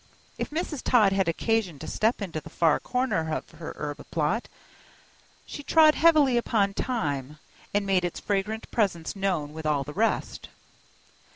If Mrs. Todd had occasion to step into the far corner of her herb plot, she trod heavily upon thyme, and made its fragrant presence known with all the rest.